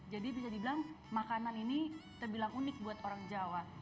jadi bisa dibilang makanan ini terbilang unik buat orang jawa